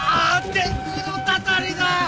天狗のたたりだ！